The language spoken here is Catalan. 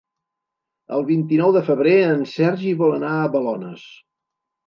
El vint-i-nou de febrer en Sergi vol anar a Balones.